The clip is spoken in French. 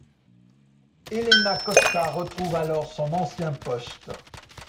Héléna Costa retrouve alors son ancien poste.